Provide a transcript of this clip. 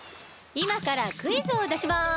いまからクイズをだします。